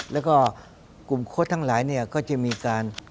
และกลุ่มโคตรทั้งหลายเนี่ยก็จะมีการติดต่อกันตลอด